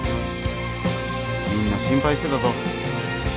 「みんな心配してたぞ！」